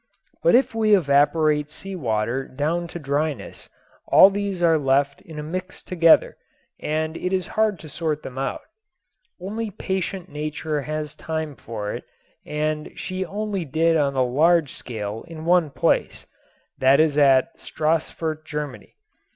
But if we evaporate sea water down to dryness all these are left in a mix together and it is hard to sort them out. Only patient Nature has time for it and she only did on a large scale in one place, that is at Stassfurt, Germany.